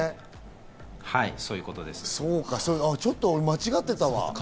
ちょっと間違ってたわ。